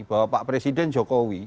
bahwa pak presiden jokowi